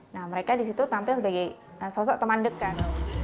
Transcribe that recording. nah mereka disitu tampil sebagai sosok teman dekat